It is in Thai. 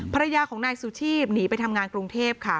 ภรรยาของนายสุชีพหนีไปทำงานกรุงเทพค่ะ